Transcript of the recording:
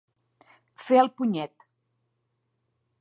Fer el punyet.